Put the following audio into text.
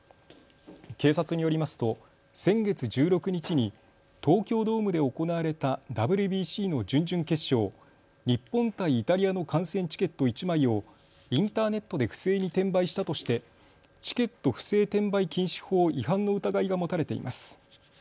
警察によりますと先月１６日に東京ドームで行われたＷＢＣの準々決勝、日本対イタリアの観戦チケット１枚をインターネットで不正に転売したとしてチケット不正転売禁止法違反の疑いが持たれています。